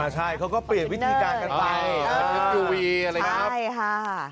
ใช่เขาก็เปลี่ยนวิธีการกันไปอ่าใช่ค่ะ